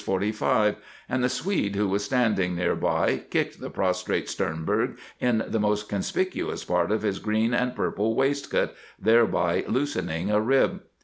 45, and the Swede who was standing near by kicked the prostrate Sternberg in the most conspicuous part of his green and purple waistcoat, thereby loosening a rib.